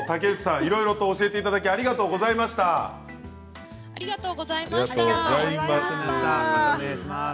いろいろ教えていただいてありがとうございました。